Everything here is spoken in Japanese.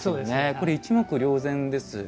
これ一目瞭然です。